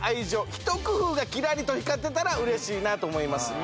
ひと工夫がキラリと光ってたら嬉しいなと思います。